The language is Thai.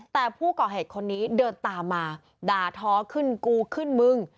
แต่ผู้ก่อเหตุคนนี้เดินตามมาด่าท้อขึ้นกูขึ้นมึง